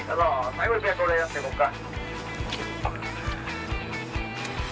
最後にこれをやっていこうか。